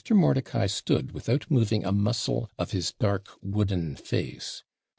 Mordicai stood without moving a muscle of his dark wooden face.